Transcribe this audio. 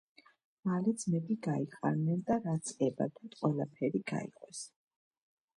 მალე ძმები გაიყარნენ და ,რაც ებადათ ყველაფერი გაიყვეს